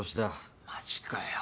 マジかよ。